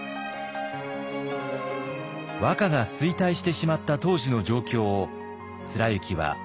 和歌が衰退してしまった当時の状況を貫之はこう綴っています。